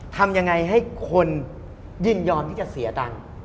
ทำยังไงให้คนยินยอมที่จะเสียตังค์